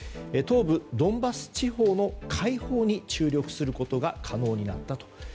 東部ドンバス地方の解放に注力することが可能になったと。